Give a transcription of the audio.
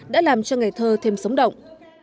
đã làm cho ngày thơ thêm sống động